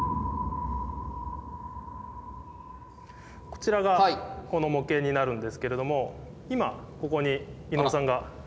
こちらがこの模型になるんですけれども今ここに伊野尾さんがいらっしゃいます。